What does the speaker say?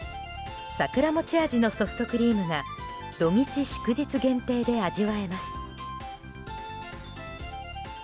桜餅味のソフトクリームが土日祝日限定で味わえます。